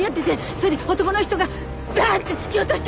それで男の人がバーンって突き落として。